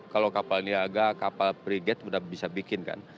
kalau kapal niaga kapal prigen sudah bisa bikin kan